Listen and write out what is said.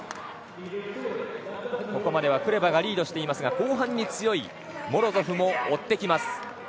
ここまではクレバがリードしていますが後半に強いモロゾフも追ってきます。